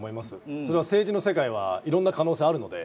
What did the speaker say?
それは政治の世界はいろんな可能性があるので。